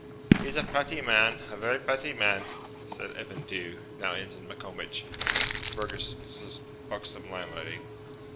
'He's a pratty man, a very pratty man,' said Evan Dhu (now Ensign Maccombich) to Fergus's buxom landlady.